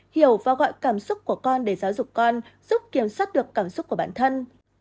hiểu và gọi cảm xúc của con để giáo dục con giúp kiểm soát được cảm xúc của bản thân